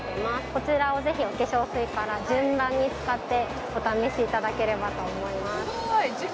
こちらをぜひお化粧水から順番に使ってお試しいただければと思います